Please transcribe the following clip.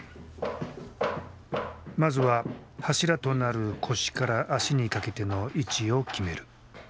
まずは柱となる腰から足にかけての位置を決める。